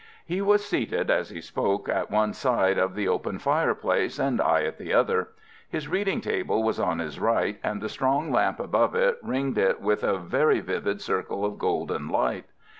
He was seated as he spoke at one side of the open fireplace, and I at the other. His reading table was on his right, and the strong lamp above it ringed it with a very vivid circle of golden light.